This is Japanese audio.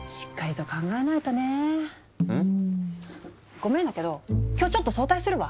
ごめんだけど今日ちょっと早退するわ。